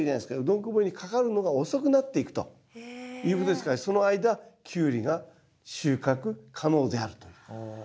どんこ病にかかるのが遅くなっていくということですからその間キュウリが収穫可能であると。